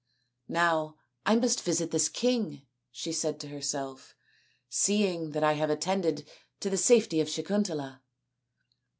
" Now I must visit this king/' she said to herself, " seeing that I have attended to the safety of Sakuntala.